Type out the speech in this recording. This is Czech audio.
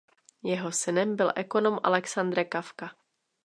Jeho synem byl ekonom Alexandre Kafka.